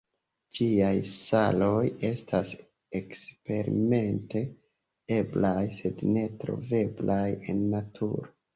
Ĝiaj saloj estas eksperimente eblaj, sed ne troveblaj en naturo.